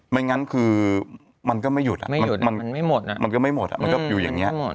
ไม่งั้นคือมันก็ไม่หยุดมันไม่หมดมันก็ไม่หมดมันก็อยู่อย่างนี้